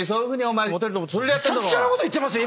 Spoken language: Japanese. めちゃくちゃなこと言ってますよ